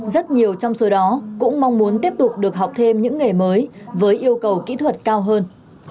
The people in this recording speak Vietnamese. rất nhiều trong số đó cũng mong muốn tiếp tục được học thêm những nghề mới với yêu cầu kỹ thuật cao hơn